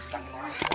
jangan orang curi